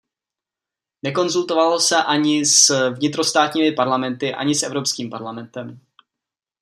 Nekonzultovalo se ani s vnitrostátními parlamenty, ani s Evropským parlamentem.